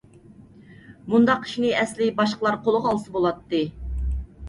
مۇنداق ئىشنى ئەسلى باشقىلار قولىغا ئالسا بولاتتى.